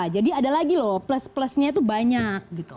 jadi ada lagi loh plus plusnya itu banyak